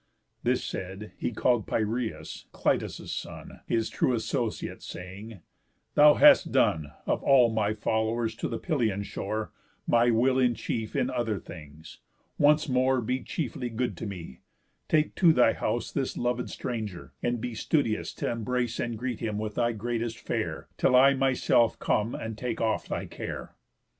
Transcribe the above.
This said, he call'd Piræus, Clytus' son, His true associate, saying: "Thou hast done (Of all my followers to the Pylian shore) My will in chief in other things, once more Be chiefly good to me; take to thy house This lovéd stranger, and be studious T' embrace and greet him with thy greatest fare, Till I myself come and take off thy care."